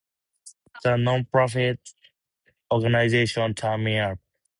The nonprofit organization Turn Me Up!